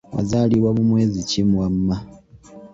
Wazaalibwa mu mwezi ki wamma?